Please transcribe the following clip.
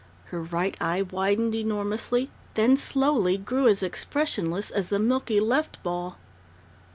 Her right eye widened enormously, then slowly grew as expressionless as the milky left ball.